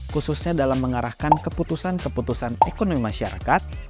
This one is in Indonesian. khususnya dalam mengarahkan keputusan keputusan ekonomi masyarakat